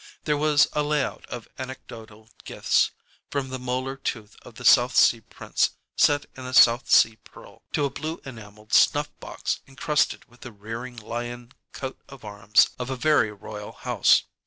There was a layout of anecdotal gifts, from the molar tooth of the South Sea prince set in a South Sea pearl to a blue enameled snuff box incrusted with the rearing lion coat of arms of a very royal house.